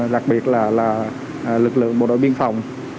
đặc biệt là lực lượng bộ đội biên phòng